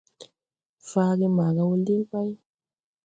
Faage maga wɔ liŋ ɓay.